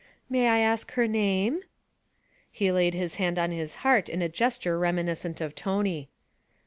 'May I ask her name?' He laid his hand on his heart in a gesture reminiscent of Tony.